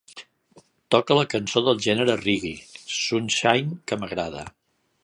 Toca la cançó del gènere reggae sunshine que m'agrada.